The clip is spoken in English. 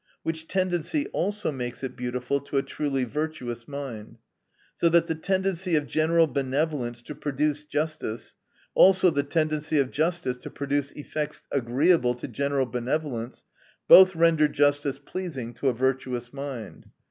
Which tendency also makes it beautiful to a truly virtuous mind. So that the tendency of general benevo lence to produce justice, also the tendency of justice to produce effects agreeable to general benevolence, both render justice pleasing to a virtuous mind.